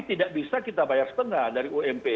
tidak bisa kita bayar setengah dari ump